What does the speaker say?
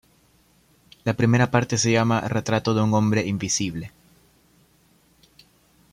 La primera parte se llama "Retrato de un hombre invisible".